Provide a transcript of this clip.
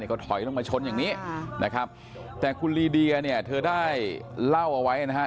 ก็ถอยลงมาชนอย่างนี้นะครับแต่คุณลีเดียเนี่ยเธอได้เล่าเอาไว้นะฮะ